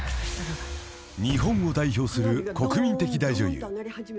［日本を代表する国民的］